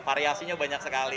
variasinya banyak sekali